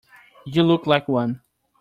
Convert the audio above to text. You look like one.